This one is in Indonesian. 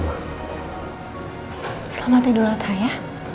selamat tidur atta ya